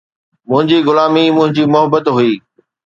منهنجي غلامي منهنجي محبت هئي